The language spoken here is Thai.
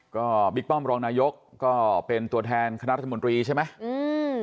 ก็บิ๊กป้อมรองนายกก็เป็นตัวแทนคณะรัฐมนตรีใช่ไหมอืม